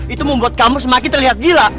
itu membuat kamu semakin terlihat gila